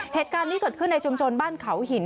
เหตุการณ์นี้เกิดขึ้นในชุมชนบ้านเขาหิน